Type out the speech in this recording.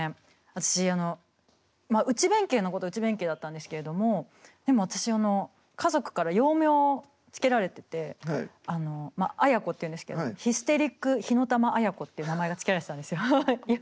私内弁慶なことは内弁慶だったんですけれどもでも私家族から幼名を付けられててまああやこっていうんですけどヒステリック火の玉あやこって名前が付けられてたんですよ。